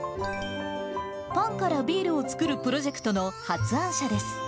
パンからビールを造るプロジェクトの発案者です。